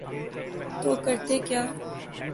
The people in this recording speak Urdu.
تو کرتے کیا۔